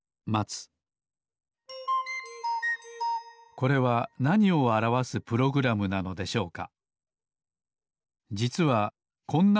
これはなにをあらわすプログラムなのでしょうか？